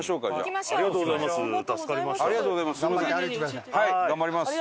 ありがとうございます。